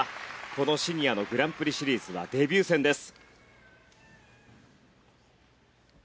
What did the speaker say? このシニアのグランプリシリーズはデビュー戦です。